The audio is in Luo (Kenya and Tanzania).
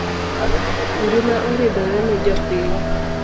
Ngima oridore ne jopiny